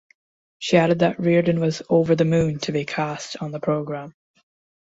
She added that Riordan was "over the moon" to be cast on the programme.